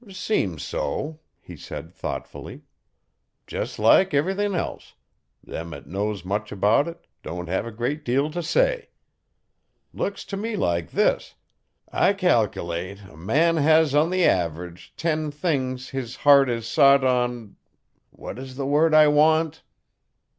'Seems so,' he said thoughtfully. 'Jes' like ever'thing else them 'at knows much about it don' have a great deal t' say. Looks t' me like this: I cal'ate a man hes on the everidge ten things his heart is sot on what is the word I want